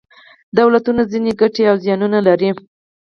دولتونه ځینې ګټې او زیانونه لري.